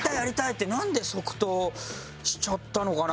ってなんで即答しちゃったのかな